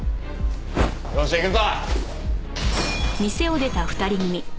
よし行くぞ！